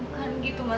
bukan gitu mas